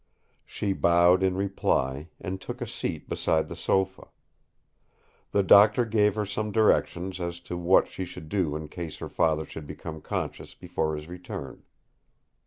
She bowed in reply, and took a seat beside the sofa. The Doctor gave her some directions as to what she should do in case her father should become conscious before his return.